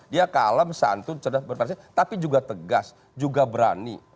dia kalem santun cerdas berprestasi tapi juga tegas juga berani